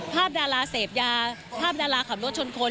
ดาราเสพยาภาพดาราขับรถชนคน